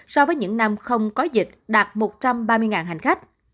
so với những năm không có dịch đạt một trăm ba mươi hành khách